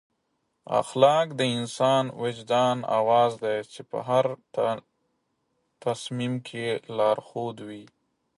اخلاق د انسان د وجدان اواز دی چې په هر تصمیم کې لارښود وي.